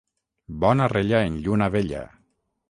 Bona rella en lluna vella.